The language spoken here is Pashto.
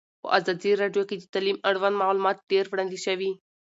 په ازادي راډیو کې د تعلیم اړوند معلومات ډېر وړاندې شوي.